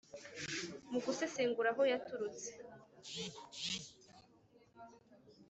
Mu gusesengura aho yaturrutse